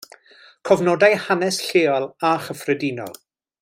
Cofnodai hanes lleol a chyffredinol.